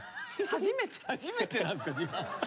初めてなんですか？